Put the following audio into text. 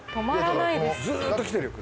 ずっと来てるよ車。